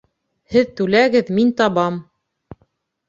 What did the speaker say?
Һеҙ түләгеҙ, мин табам!